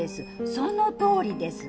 そのとおりです。